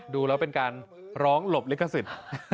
ดูแล้วเป็นการร้องหลบลิขสิทธิ์